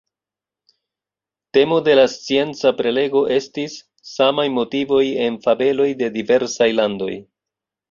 Temo de la scienca prelego estis: samaj motivoj en fabeloj de diversaj landoj.